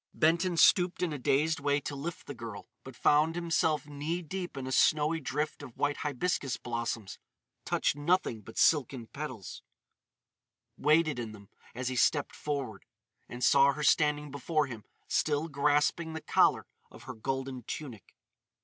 Benton stooped in a dazed way to lift the girl; but found himself knee deep in a snowy drift of white hibiscus blossoms—touched nothing but silken petals—waded in them as he stepped forward. And saw her standing before him still grasping the collar of her golden tunic.